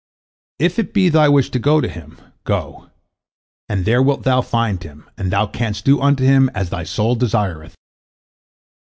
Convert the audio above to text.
If it be thy wish to go to him, go, and there wilt thou find him, and thou canst do unto him as thy soul desireth."